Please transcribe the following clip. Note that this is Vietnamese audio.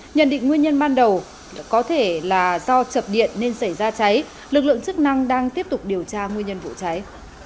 nhận định nguyên nhân ban đầu có thể là do chập điện nên xảy ra cháy lực lượng chức năng đang tiếp tục điều tra nguyên nhân vụ cháy